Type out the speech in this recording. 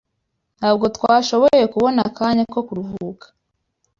Ntabwo twashoboye kubona akanya ko kuruhuka